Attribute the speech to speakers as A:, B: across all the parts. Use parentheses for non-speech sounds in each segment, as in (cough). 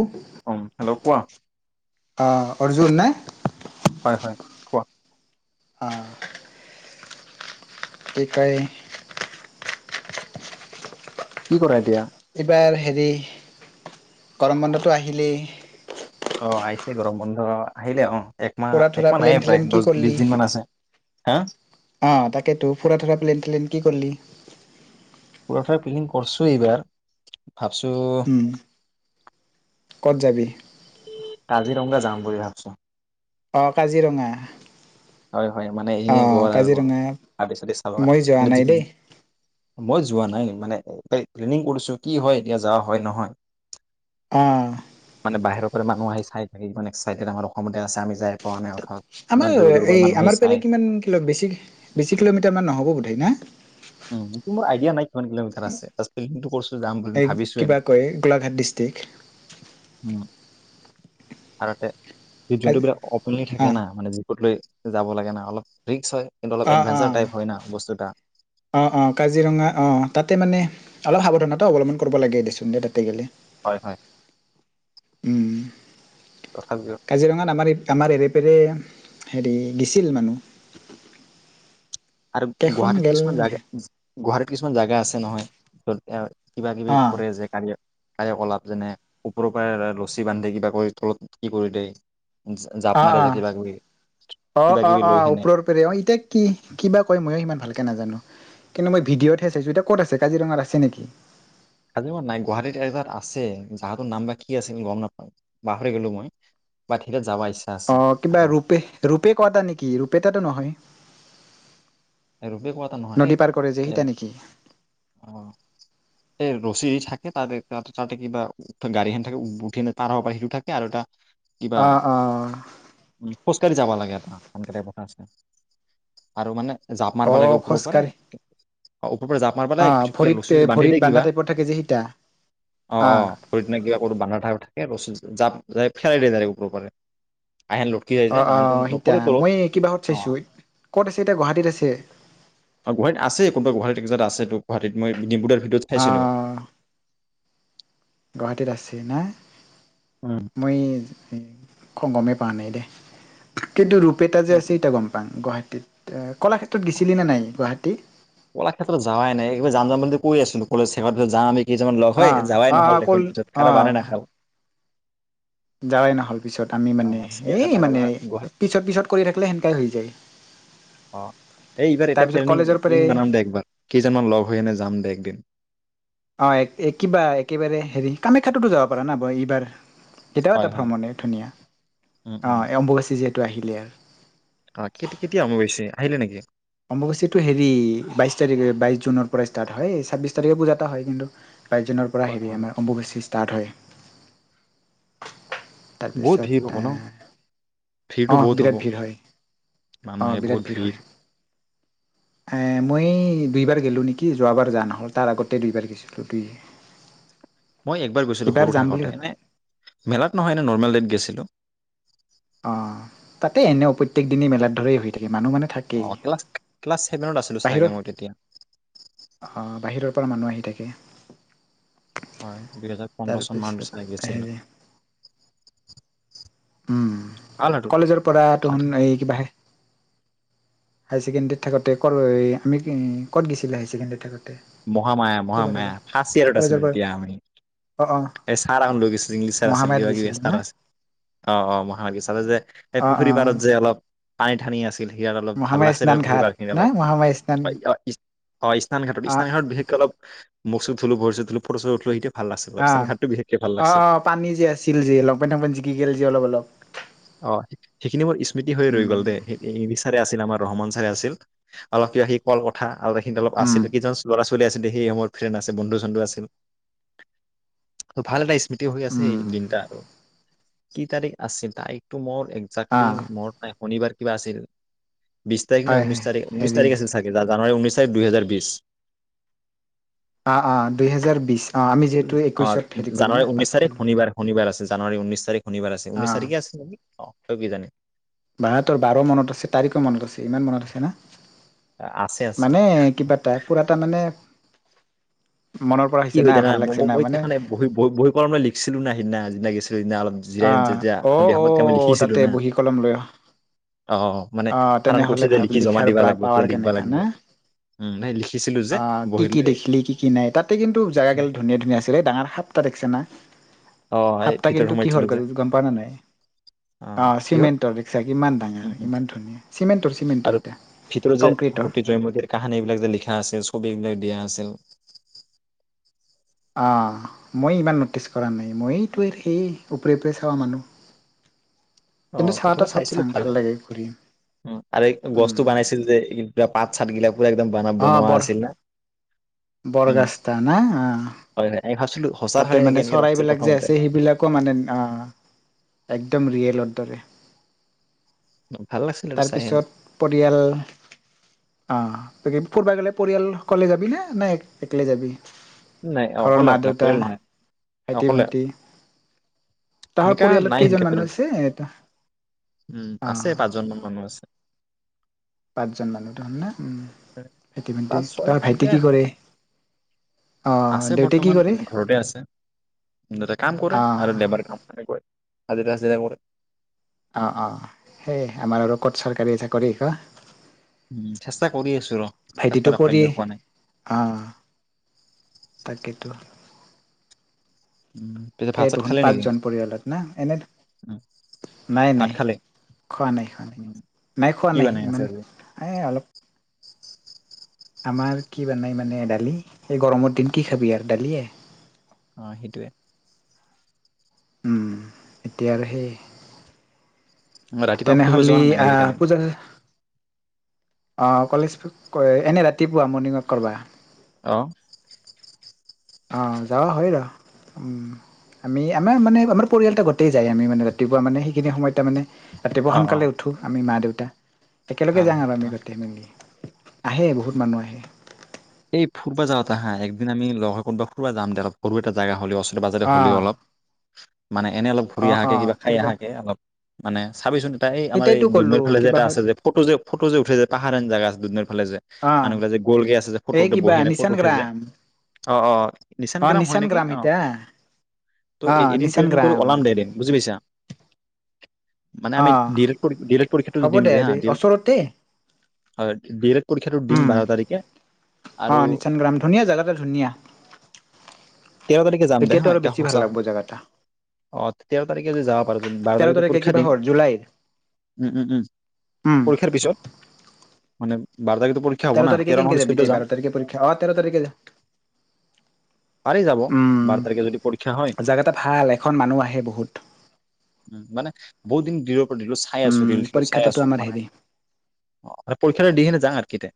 A: উঃ
B: উম, হেল্ল' কোৱা?
A: অ অৰ্জুন নে
B: হয় হয় কোৱা
A: অ কেইটাই
B: কি কৰা এতিয়া
A: এইবাৰ হেৰি গৰম বন্ধটো আহিলেই
B: অ আহিছে গৰম বন্ধ আহিলে অ একমাহ
A: পুৰা থোৰা
B: একমাহ নাইয়ে প্ৰায়
A: প্লেন
B: দহ
A: কি
B: বিশ
A: কৰিলি
B: দিন মান আছে। হা
A: অ তাকেইতো পুৰা থোৰা প্লেন খেলিম কি কৰিলি।
B: পুৰা থোৰা প্লেনিং কৰিছো এইবাৰ, ভাবিছো
A: উম ক'ত যাবি
B: কাজিৰঙা যাম বুলি ভাবিছোঁ
A: অঁ কাজিৰঙা
B: হয় হয় মানে
A: অ
B: এশিঙিয়া আৰু
A: কাজিৰঙা
B: হাতী ছাতি চাব
A: মই যোৱা নাই
B: লাগিব।
A: দেই
B: মই যোৱা নাই মানে প্লেনিং কৰিছো কি হয় এতিয়া যোৱা হয় নহয়।
A: অঁ
B: মানে বাহিৰৰ মানুহ আহি চাই থাকে ইমান একচাইটেড আমাৰ অসমতে আছে আমি যাই পাোৱা নাই।
A: আমাৰ
B: হয়
A: এই আমাৰ পেনে কিমান বেছি বেছি কিলোমিটাৰ মান নহ'ব বোধ হয় না।
B: উম, মোৰ আইডিয়া নাই কিমান কিলোমিটাৰ আছে দশ কিলোমিটাৰ উপৰত
A: এই কিবা কয় গোলাঘাট ডিষ্ট্ৰিক!
B: (unintelligible) যি যোনটো বিলাক অপেনলি থাকে না
A: অ
B: মানে যি ক'ত লৈ যাব লাগে নাই অলপ ৰিক্স হয়। কিন্তু অলপ এডভেঞ্চাৰ টাইপ হয় না বস্তু এটা।
A: অঁ অঁ কাজিৰঙা অঁ তাতে মানে অলপ সাৱধানতা অৱলম্বন কৰিব লাগে দেচোন দে তাতে গ'লে।
B: হয় হয়।
A: উম।
B: তথাপিও
A: কাজিৰঙাত আমাৰ এই। আমাৰ এৰেপেৰে হেৰি গিছিল মানুহ।
B: আৰু
A: কেইখন
B: গুৱাহাটীত
A: গেল
B: কিছুমান জাগাত গুৱাহাটীত কিছুমান জাগা আছে নহয়। (unintelligible) কিবা-কিবি
A: অ',
B: কৰে যে কাৰ তায় অলাপ যেনে ওপৰৰ পৰাই লছী বান্ধে কিবা কৰি তলত কি কৰি দিয়ে। জা- জাপ মাৰে যে কিবা কিবি কিবা কিবি
A: অ-অ-অ-অ-অ
B: লৈ সেনে
A: ওপৰৰ পৰে, অ ইতিয়া কি কিবা কয়ো সিমান ভালকৈ নাজানো, কিন্তু মই ভিডিঅ'তহে চাইছোঁ। এতিয়া ক'ত আছে কাজিৰঙাত আছে নেকি?
B: আাজি ম নাই গুৱাহাটীত এাত আছে যাহটোৰ নাম বা কি আছিল গম নাপাওঁ পাহৰি গলো মই বাট যাব ইচ্ছা আছে
A: অ কিবা
B: আৰু
A: ৰূপে-ৰূপে কোৱা এটা নেকি ৰূপে তটো নহয়?
B: ৰপে ক এটা নহয়।
A: নদী
B: এই,
A: পাৰ কৰে যে
B: এ,
A: সিতা নেকি?
B: অহ, এই ৰছি থাকে ততে-ততে কিবা গাঢ়ী থাকে উঠি এনে পাৰ হ পৰা হি থাকে আৰু এটা
A: অহ-অহ
B: কৰি যাব লাগে এটা আনকেইটাই কথা আছে আৰু মানে জাঁপ মাৰব লাগে
A: অ',
B: ৰপাৰে
A: খোজকাঢ়ি
B: অহ ফ পৰা জাপ মাৰিবেলাই
A: অ',
B: ক
A: ভৰিত এ
B: লুচুদি বান্ধি
A: ভৰিত
B: দেই
A: বান্ধা
B: কিবা।
A: টাইপত থাকে যে সিতা অ'।
B: অঁ-অঁ ভৰিতনা কিবা ক'ো বানধা থ থাকে লুী জাঁাপ ফেলাই দ যায় উপৰ পাৰে। আহেন লটকি যায় যে নাহনটো
A: অঁ-অঁ সীতা,
B: নপৰে তলত
A: মই কিবাহত
B: অ
A: চাইছোঁ ক'ত আছে এতিয়া গুৱাহাটীত আছে?
B: গুৱাহাটী আছে, কোনবা গুৱাহাটীত আছে। গুৱাহাটী মই ডিমু ভ
A: অ
B: চাইছিলোঁ।
A: গুৱাহাটীত আছে না? মই স খং গমে পানেই দে? কিন্তুূপেটা যে আছে এতিয়া গম পাম। গুৱাহাটী য়া কলাক্ষেতত গৈছিলি নাই? গুৱাটী প্ৰতি
B: কলাক ক্ষেত্ৰত যোৱাই নাই। একবাৰ জাম-জাম বুলি কৰি আছো। কলে শেষৰ পিছত যাম কেইজনমান লগ
A: অ
B: হৈ যাৱাই
A: অ অ
B: নহল
A: কল
B: দেখোন পিছত কাৰো বানে নাখাল।
A: জাৱাই নহল। পিছত আমি
B: আহ
A: মানে এই
B: চিৰিয়াখান
A: মানে
B: গুৱাহাটী।
A: পিছত পিছত কৰি থাকিলে সেনেকাই হৈ যায়
B: অহ এই এইবাৰ এতিয়া
A: তাৰপিছত
B: প্লেনি
A: কলেজৰ পৰা
B: প্লেনিং বনাম দে একবাৰ, কেইজনমান লগ হৈ আনে যাম দে একদিন।
A: অ কিবা একেবাৰে হেৰি কামাখ্যাটোতো যাব পাৰা ন বই এইবাৰ? এতিয়াও এটা
B: হয় হয়,
A: ভ্ৰমণে ধুনীয়া।
B: উম
A: অহ অম্বুবাচী যে টো আহিলে
B: আহ কেতি কেতিয়া ৰুম আহিলে নেকি
A: সমবসচীটো হেৰি বাইশ তাৰিখে বাইশ জুনৰ পৰা ষ্টাৰ্ট হয় ছাব্বিছ তাৰিখে পূজা এটা হয় কিন্তু। প্ৰাইজনৰ পৰা
B: হয়
A: হেৰি
B: হয়,
A: আমাৰ অম্ববৈশিষ্ট্য ষ্টাৰ্ট হয়।
B: বহুত ভিৰ হ'ব
A: তাৰপিছত
B: ন ভিৰটো
A: অঁ
B: বহুত হ'ব
A: বিৰাট ভিৰ হয় অঁ
B: মানুহে বহুত
A: বিৰাট ভিৰ হয়, মই দুইবাৰ গ'লোঁ নেকি যোৱাবাৰ যোৱা নহ'ল, তাৰ আগতে দুইবাৰ গৈছিলোঁ।
B: মই একবাৰ গৈছিলো
A: এইবাৰ
B: সৰু
A: যাম বুলি
B: থাকোতে
A: ভাব
B: এনে মেলাত নহয় এনে নৰ্মেল ডট গৈছিলো,
A: অ তাতে এনেও প্ৰত্যেক দিনে মেলাৰ ধৰেই হৈ থাকে, মানুহ মানে থাকেই
B: অ ক্লাছ ক্লাছ ছেভেনত আছিলো চাগে মই তেতিয়া
A: বাহিৰত অ বাহিৰত মানুহ আহি থাকে
B: হয় দুহেজাৰ পোন্ধৰ চন মান
A: তাৰপিছত
B: বিচাৰ গৈছিলো
A: হেৰি
B: (unintelligible)
A: উম
B: ভাল আৰু
A: কলেজৰ পৰা তহন
B: তাতে
A: এই কিবাহে হাই ছেকেণ্ডৰীত থাকোতে কত আমি ক'ত গৈছিলো হাই ছেকেণ্ডৰ থাকোতে
B: মহামায়া মহামায়া ফাৰ্ষট ইয়াৰত আছিল
A: কলেজৰ পৰা
B: তেতিয়া আমি
A: অঁ অঁ
B: এ চাৰ ল ইংলিছৰ আছিল
A: মহামায়াত
B: কিবা কিব
A: গৈছিলোঁ
B: এাৰ
A: ন
B: আছিল অ অ মহানাগীৰ চালে যে এই
A: অঁ
B: পুখুৰী
A: অঁ
B: পাৰত যে অলপ পানী ঠানি আছে অলপ ভাল
A: মহামায়া
B: লাগ
A: স্নান ঘাট ন মহামায়া স্নান
B: অ
A: অঁ
B: ইস্তানঘাটান ঘাট বিশেষকে অলপ মচ (unintelligible) থো ভ ফৰচ উঠো সতিয়া ভাল আছে
A: অ অ অ পানী যে আছিল যে লপেন থংপেন টিটি গল যে অলপ অলপ
B: অঁ সেইখিনি মোৰ স্মৃতি হৈ ৰৈ গল দে ইংলিছ চাৰে বিচাৰে আছিলা আমাৰ ৰহমান চাৰে আছিল অল ক সি কল কথা আৰু এখিনি অল আছিল কিজন ল'ৰা ছোৱালী চলি আছিলে সেই সময়ত ফ্ৰেণ্ড আছে বন্ধু চন্ধু আছিল ত ভাল এটা স্মৃতি হৈ আছে এই দিনটা আৰু কি তাৰিখ আছিল, তাই টো মোৰ একজেকলি
A: অঁ
B: মনত নাই শনিবাৰ কিবা আছিল, বিশছ তাৰিখ নে
A: হয়
B: ঊনছ
A: হয়
B: তাৰিখ বিশছ
A: হেৰি
B: তাৰিখ আছিল চাগে যজানুৱাৰী ঊনছ চাৰ দুহেজাৰ বিশ
A: অঁ অঁ দুইহেজাৰ বিশ অঁ আমি যিহেতু
B: অ
A: একৈশত হেৰি কৰিলোঁ না পাছ কৰিলোঁ
B: জানুৱাৰীৰ ঊনৈশ তাৰিখ শনিবাৰ আছিল ঊনৈছ তাৰিখে আছিল অঁ হয় কিজানি
A: বাহ্ বাৰো মনত আছে তাৰিখো মনত আছে ইমান মনত আছে ন
B: আছে আছে
A: মানে কিবা এটা পুৰা তাৰ মানে মনৰ পৰা
B: কি
A: আহিছে
B: হয়
A: না
B: জানা
A: ভাল লাগিছে না মানে
B: মইতো বহ বহী কৰা মে লিখিছিলো না সিদিনা লাগিছে। দিনা অলপ জিৰা
A: আহ
B: যেতিয়া
A: অ'
B: সন্ধিয়া সময়ত তেতিয়া মই
A: অ'
B: লিখিছিলো
A: তাতে
B: না
A: বহী কলম লৈ
B: অঁ মানে
A: আহ
B: চাৰে
A: তেনেহলে
B: কৈছে যে
A: ভাব
B: লিখি জমা
A: লিখাৰ
B: দিবা
A: পৰা
B: লাগিব
A: পাৱাৰ
B: লিখিবা
A: কেনেকা
B: লাগিব
A: না
B: উম ন লিখিছিলো যে
A: আহ
B: বহি লৈ
A: জাগা কিন্ত ধুনীয়া ধুনীয়া আছিলে ডাঙৰ সাটতা দেখিছে না।
B: অঁ এই ভিতৰত
A: কি
B: সোমাই
A: হ'ল গম পাঁও নে নাই
B: কিহৰ
A: চিমেন্ট তৰ- ইমান ডাঙৰ
B: উম উম
A: ইমান ধুনীয়া চিমেণ্টৰ
B: আৰু
A: এতিয়া
B: ভিতৰত যে
A: কংক্ৰিটৰ
B: সতী জয়মতীৰ কাহানী বিলাক যে লিখা আছে ছবিলাক দিয়া আছিল।
A: অঁ মই ইমান ন'টিছ কৰা নাই মই ত সেই ওপৰে ওপৰে চাব মানুহ
B: অঁ
A: কিন্তু চাৱাটা
B: তথাপি
A: চব
B: চাইছিলো
A: চাং ভাল
B: ভালে
A: লাগে ঘূৰি
B: আৰু এই
A: উম
B: গছটো বনাইছিল যে এইা পাত চাতগিলাক, একদম বান বনোৱা আছিল ন
A: বৰগাস্তা না হা
B: হয় হয় আমি ভাবছিলো সঁচা
A: তাতে
B: হয় নেকি
A: মানে
B: এনেকে লাগছিল
A: চৰাইবিলাক যে
B: প্ৰথমতে
A: আছে সেইবিলাকো মানে অঁ একদম ৰিয়েলত দৰে
B: ভাল লাগিছিল এইটো চাই হেনে।
A: তাৰপিছত পৰিয়াল ফূৰিব গ'লে পৰিয়াল সকলে যাবিনা না অকলে যাবি
B: নাই
A: ঘৰৰ
B: অকলে
A: মা
B: অকলে।
A: দেউতা
B: সেই নহয়।
A: ভাইটি
B: অকলে,
A: ভন্টি তহাৰ
B: সেনেকা
A: পৰিয়ালত
B: নাই
A: কেইজন
B: সেনেকে
A: মানুহ আছে
B: উম আছে পাঁচজন মান মানুহ আছে।
A: পাঁচজন মানুহ তহত না ইতিমধ্যে
B: পাঁচ ছয়
A: তৰ ভাইটি
B: এনেকে
A: ভাইটিয়ে কি
B: হ'ল
A: কৰে? অ
B: আছে
A: দেউতাই কি
B: বৰ্তমান
A: কৰে
B: মানে ঘৰতে আছো, দেউতাই কাম কৰে
A: অ
B: আৰু লেবাৰ কাম কৰে। হাজিৰা চাজিৰা কৰে।
A: অঁ অঁ সেই আমাৰ আৰু ক'ত চৰকাৰী চাকৰি ক।
B: উ চেষ্টা কৰি আছো ৰ
A: ভাইটিটো
B: চেষ্টাত
A: পঢ়ি
B: অখাদ্য হোৱা নাই।
A: অ তাকেতো
B: উম, পিছে ভাত চাত
A: সেইটোখোন
B: খালে নেকি?
A: পাঁচজন পৰিয়ালত না এনে
B: উম,
A: নাই
B: ভাত
A: নাই
B: খালে?
A: খোৱা নাই খোৱা
B: উম,
A: নাই নাই খোৱা
B: কি
A: নাই
B: বনাই আছে
A: ইমান
B: আজি?
A: এই অলপ।
B: (unintelligible)
A: আমাৰ কি বনায় মানে দালি এই গৰমৰ দিন কি খাবি আৰু দালিয়ে।
B: অ সেইটোৱে।
A: উম, এতিয়া আৰু সেই
B: উম, ৰাতিপুৱা ফুৰিব যোৱা
A: তেনেহ'লি
B: নাই
A: আহ
B: আজিকালি?
A: পূজাত অ কলেজ ক এনে ৰাতিপুৱা মৰ্ণিং ৱাক কৰা।
B: অহ?
A: অ যোৱা হয় ৰ। উম আমি আমাৰ মানে আমাৰ পৰিয়াল এটা গোতেই যাই আমি মানে ৰাতিপুৱা মানে সেইখিনি সময় তাৰ মানে ৰাতিপুৱা
B: অ',
A: সোনকাল
B: অ',
A: উঠো আমি মা দেউতা (unintelligible) একেলগে
B: ভাল
A: যাঙ আৰু আমি।
B: ভাল।
A: আবেলি, আহে বহুত মানুহ আহে।
B: এই ফুৰিবা যাওঁতে হা একদিন আমি লগ হৈ ক'বা ফুৰিবা যাম দে সৰু এটা জাগা হ'লেও। বাজেতে হ'লেও
A: অঁ
B: অলপ মানে এনেই অলপ ঘূৰি
A: অঁ
B: অহাকে
A: অঁ
B: কিবা খাই
A: ফুৰবা
B: অহাকে অলপ মানে চাবিচোন এ এই আমাৰ এই
A: সেইটাইতো
B: দুনৈৰ
A: ক'লো
B: ফালে যে এটা
A: কিবাহত
B: আছে যে ফটো যে ফটো যে উঠে যায় পাহাৰেন জেগা আছে দুনৈৰৰ ফালে যে,
A: অঁ
B: মানুহবিলাক যে গলগৈ আছে যে?
A: এই
B: ফটোতে
A: কিবা
B: বহি আনে ফটো
A: নিচান
B: উঠি যে?
A: গ্ৰাম
B: অ-অ নিচান
A: অঁ
B: গৰাম হয় নেকি
A: গ্ৰাম
B: অ।
A: ইতা
B: ত
A: অ',
B: এদিন
A: নিচান
B: প্লেনিং কৰো
A: গ্ৰাম
B: ওলাম দে এদিন বুজি
A: কি
B: পাইছা? মানে আমি
A: অ',
B: ডিৰ-ডি-এ (unintelligible) পৰীক্ষাটো
A: হ'ব
B: দিম
A: দে
B: যে হা?
A: বে
B: ডি
A: ওচৰতে
B: হয় ডী এল এট পৰীক্ষাটো দিম
A: উম,
B: বাৰ তাৰিখে।
A: অ
B: আৰু
A: নিচান গ্ৰাম ধুনীয়া জেগাতে ধুনীয়া।
B: তেৰ তাৰিখে যাম দে
A: তেতিয়াতো
B: হা?
A: আৰু
B: এতিয়া
A: বেছি ভাল
B: সঁচা
A: লাগব জেগাটা
B: অঁ তেৰ তাৰিখে যাও বাৰ
A: তেৰ
B: তাৰিখতে
A: তাৰিখে
B: পৰীক্ষা
A: কিবা
B: দিম।
A: হ'ল জুলাইৰ
B: উম-উম-উম
A: উম,
B: পৰীক্ষাৰ পিছত। মানে (unintelligible) বাৰ তাৰিখে পৰীক্ষা হ'ব না?
A: তাৰিখে
B: তেৰ
A: কেনকে
B: নহলে
A: যাবি
B: চৈধ্য
A: তেই বাৰ
B: যাম।
A: তাৰিখে পৰীক্ষা। অহ তেৰ তাৰিখে যাবি
B: পাৰি যাব বাৰ তাৰিখে যদি পৰীক্ষা হয়
A: উম জাগা এটা ভাল এখন মানুহ আহে বহুত।
B: বহুদিন জিৰো দিলো চাই আছো
A: উম,
B: ৰিল সচ বোৰ
A: পৰীক্ষা
B: চাই
A: তাতো
B: আছো
A: আমাৰ
B: মানে।
A: হেৰি
B: অ' পৰীক্ষা দিহে নে যা আৰু।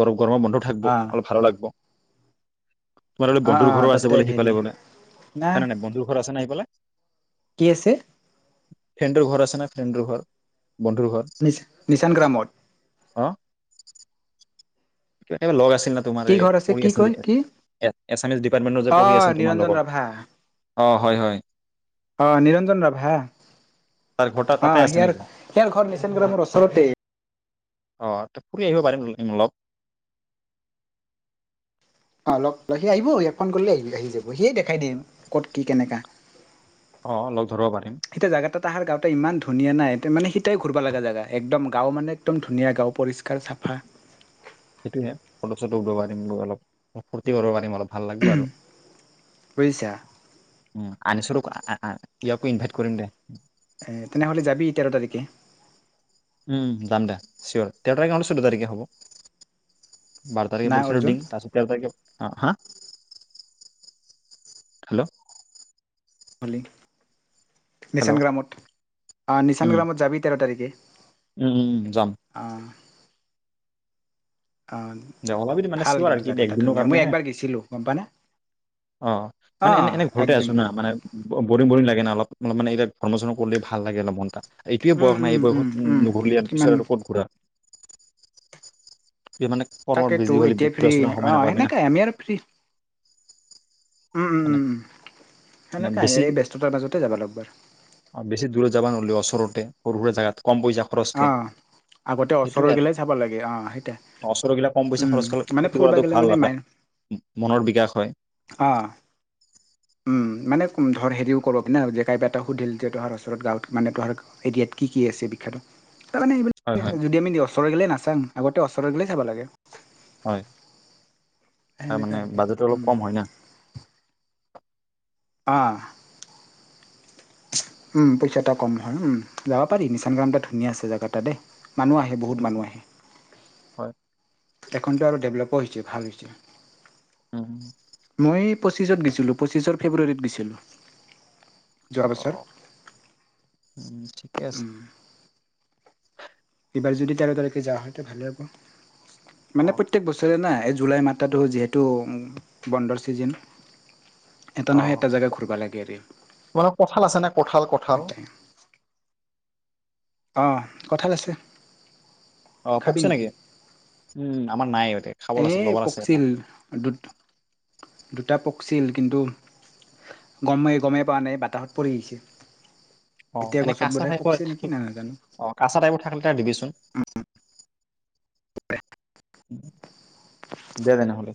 B: গৰম গৰমৰ বন্ধ থাকিব।
A: অ',
B: ভালো লাগিব। তোমাৰ বোলে
A: অ',
B: বন্ধুৰ ঘৰো
A: অ',
B: আছে
A: তাতে
B: বোলে সিফালে
A: হেৰি
B: বোলে? হৈ না নাই বন্ধুৰ ঘৰ আছে নাই সেইফালে?
A: কি আছে
B: ফ্ৰেণ্ডৰ ঘৰ আছে না ফ্ৰেণ্ডৰ ঘৰ? বন্ধুৰ
A: নিচা, নিচান গ্ৰামত?
B: হ'? কিবা, কিবা লগ আছে। আছিল ন' তোমাৰ
A: কি
B: এই
A: ঘৰ
B: পঢ়ি
A: কি
B: আছে যে,
A: কয় কি
B: এছামিছ ডিপাৰ্টমেন্টৰ যে, পঢ়ি
A: অ',
B: আছিল তোমাৰ
A: নিৰঞ্জন
B: লগত।
A: ৰাভা
B: অ' হয়- হয়।
A: অ 'নিৰঞ্জন ৰাভা,
B: তাৰ ঘৰ তাতে আছে নেকি?
A: সিয়াৰ ঘৰ নিচেন গ্ৰামৰ ওচৰতেই।
B: অ তাত ফুৰি আহিব পাৰিম অলপ।
A: অলপ সি আহিব, ইয়াক ফোন কৰিলে আহ আহি যাব। ‌সিয়ে দেখাই দিয়ে ক'ত কি কেনেকুৱা?
B: অ', লগ ধৰিব পাৰিম
A: এতিয়া জেগা তাত আহাৰ, গাওঁতে ইমান ধুনীয়া না। মানে সিটাই ঘূৰিব লগা জেগা। একদম গাঁও মানে একদম ধুনীয়া গাঁও পৰিষ্কাৰ চাফা।
B: সেইটোহে, ফটো চটো উঠিব পাৰিম অলপ। ফূৰ্তি কৰিব পাৰিম অলপ। ভাল লাগিব আৰু,
A: বুজিছা
B: উম! আনিছৰো, ইয়াকো ইনভাইট কৰিম দে।
A: এ তেনেহলে যাবি তেৰ তাৰিখে।
B: উম যাম দে। চিয়'ৰ তেৰ তাৰিখে নহ'লে চৈধ্য তাৰিখে হ'ব। বাৰ তাৰিখে
A: না
B: পইছাটো
A: অৰ্জুন
B: ডিং, তাৰপিছত তেৰ তাৰিখে, অ' হা! হেল্ল'?
A: ভালেই।
B: হেল্ল'
A: নিচান গ্ৰামত, অ নিচান
B: উম,
A: গ্ৰামত যাবি তেৰ তাৰিখে।
B: উম উম যাম।
A: অ অ'
B: দে ওলাবি মানে
A: ভাল
B: চিয়ৰ আৰু
A: কিন্তু
B: কি
A: জাগা তাত
B: একদিনৰ
A: ধুনীয়া। মই
B: কাৰণেহে।
A: একবাৰ গৈছিলোঁ গম পাৱ নে?
B: অ' মানে এনে, এনে ঘৰতে আছোঁ না। মানে বৰিং বৰিং লাগে ন অলপ। অলপ মানে এইবিলাক ভ্ৰমণ চ্ৰমণ কৰিলে ভাল লাগে, অলপ মনটা। এইটোৱে
A: উম
B: বয়স না,
A: উম
B: এই
A: উম
B: বয়সত
A: উম
B: নুঘূৰিলে আৰু
A: কিমান
B: পিছত আৰু ক'ত ঘূৰা এই মানে কৰ্মত
A: তাকেতো
B: বিজি হ'লে
A: এতিয়া
B: ঘূৰা
A: ফ্ৰী
B: চুৰা সময়
A: অ'
B: নাপাবি না
A: সেনেকাই আমি আৰু ফ্ৰী। উম! উম!
B: মানে
A: উম! উম,
B: মানে
A: সেনেকাই
B: বেছি
A: হেৰি ব্যস্ততাৰ মাজতে যাবা লাগবাই।
B: অ, বেছি দূৰত যাবা নহ'লেও সৰু ওচৰতে সুৰা জাগাত। কম পইচা খৰচকৈ,
A: আগতে ওচৰৰ
B: সেইটোৱে আৰু,
A: গিলাই চাব লাগে অ সেইটোৱে
B: ওচৰবিলাক কম পইচা
A: উম
B: খৰচ, খ,
A: মানে
B: ক্ষতি
A: ফুৰবা
B: কৰাটো
A: গেলে
B: ভাল
A: মানে
B: লগা।
A: মাই
B: মনৰ বিকাশ হয়।
A: অ মানে ধৰ হেৰিও কৰ পিনে, যে কাই পেটা সুধিল, যে তোহাৰ ওচৰত গাঁৱত, মানে তোহাৰ এৰিয়াত কি কি আছে বিখ্যাত? তাৰমানে
B: হয়
A: এইবিলাকে
B: হয়
A: আৰু, যদি আমি ওচৰৰ গিলে নাচা ছাং, আগতে ওচৰত গিলাই চাব লাগে।
B: হয় তাৰ
A: সেনেকা
B: মানে,
A: আৰু কি
B: বাজেটটো অলপ
A: উম
B: কম হয় না।
A: অঁ! উম পইচা এটা কম হয়, উম যাব পাৰি। নিচান গ্ৰামতে ধুনীয়া আছে, জেগা এটা দেই। ‌ মানুহ আহে, বহুত
B: উম
A: মানুহ
B: উম
A: আহে।
B: হয়
A: এখনত আৰু দে লপ হৈছে ভাল হৈছে
B: হম্
A: মই পঁচিছত গিছিলোঁ পঁচিছৰ ফেব্ৰুৱাৰীত গৈছিলোঁ। যোৱা
B: অ
A: বছৰ
B: ঠিকে আছে।
A: এইবাৰ যদি তেৰ তাৰিখে যাওঁ হয়টো ভালেই হ'ব।
B: অ
A: মানে প্ৰত্যেক বছৰে না জুলাই মাত্ৰাটো যিহেতু বন্দৰ ছিজন এটা
B: অ
A: নহয় এটা জেগা ঘূৰিব লাগে আৰু
B: মানে কঠাল, আছে নে কঠাল, কঠাল
A: অঁ কঁঠাল, আছে।
B: অ পকচে নেকি উম আমাৰ নাই ইয়াতে
A: এ পকছিল দু-দুটা পকছিল কিন্তু গমেই গমেই পোৱা নাই বাতাহত পৰি আহিছে।
B: অ',
A: এতিয়া
B: এনে
A: গছত
B: কঁচা
A: বোধহয়
B: টাইপৰ
A: পকছে নেকি নাই নাজানো
B: অ', কঁচা টাইপৰ থাকিলে তাৰ দিবিচোন।
A: অ',
B: দে তেনেহ'লে।